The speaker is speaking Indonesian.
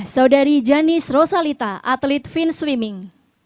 saudari janis rosalita atlet fin swimming